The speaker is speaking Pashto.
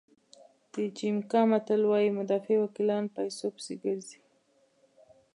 د جمیکا متل وایي مدافع وکیلان پیسو پسې ګرځي.